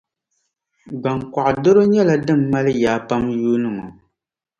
Gbaŋkɔɣu doro nyɛla din mali yaa pam yuuni ŋɔ.